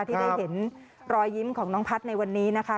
ที่ได้เห็นรอยยิ้มของน้องพัฒน์ในวันนี้นะคะ